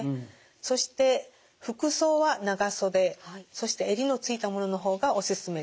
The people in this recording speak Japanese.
そして服装は長袖そして襟の付いたものの方がおすすめです。